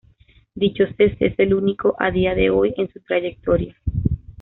Dicho cese es el único a día de hoy en su trayectoria.